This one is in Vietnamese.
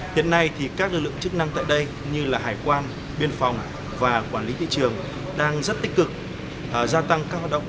hiện nay thì các lực lượng chức năng tại đây như hải quan biên phòng và quản lý thị trường đang rất tích cực gia tăng các hoạt động